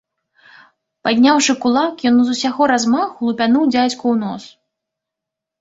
Падняўшы кулак, ён з усяго размаху лупянуў дзядзьку ў нос.